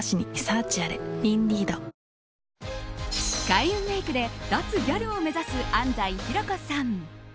開運メイクで脱ギャルを目指す安西ひろこさん。